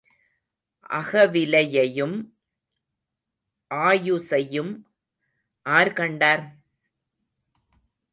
அகவிலையையும் ஆயுசையும் ஆர் கண்டார்?